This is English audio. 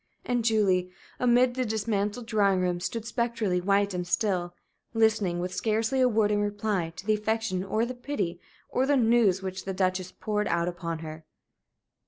And Julie, amid the dismantled drawing room, stood spectrally white and still, listening, with scarcely a word in reply, to the affection, or the pity, or the news which the Duchess poured out upon her.